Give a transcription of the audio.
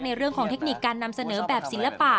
ในเรื่องของเทคนิคการนำเสนอแบบศิลปะ